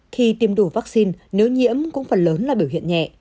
khi tiêm đủ vaccine nếu nhiễm cũng phần lớn là biểu hiện nhẹ